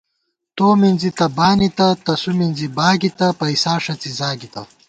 تو مِنزی تہ بانِتہ، تسُو مِنزی باگِتہ، پَئیسا ݭڅی زاگِتہ